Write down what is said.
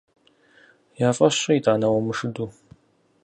Я фӀэщ щӀы итӀанэ уэ умышыду…